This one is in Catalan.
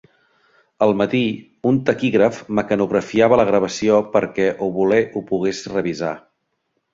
Al matí, un taquígraf mecanografiava la gravació perquè Oboler ho pogués revisar.